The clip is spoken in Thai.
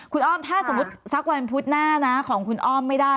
คุณอ้อมถ้าสมมุติสักวันพุธหน้านะของคุณอ้อมไม่ได้